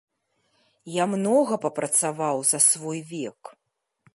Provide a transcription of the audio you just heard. Я многа папрацаваў за свой век.